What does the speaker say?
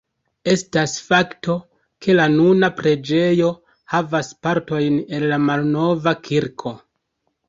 Estas fakto, ke la nuna preĝejo havas partojn el la malnova kirko.